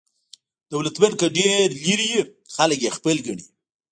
دولتمند که ډېر لرې وي، خلک یې خپل ګڼي.